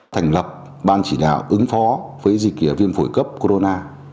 thành lập ban chỉ đạo ứng phó với dịch viêm phổi cấp corona